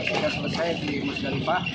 sudah selesai di musdalifah